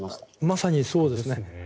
まさにそうです。